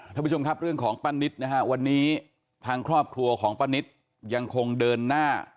ท่านผู้ชมครับเรื่องของป้านิตนะฮะวันนี้ทางครอบครัวของป้านิตยังคงเดินหน้า